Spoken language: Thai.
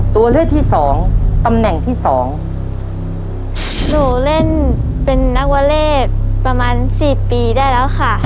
ตัวเลือกที่สองตำแหน่งที่สองหนูเล่นเป็นนวเลศประมาณสี่ปีได้แล้วค่ะ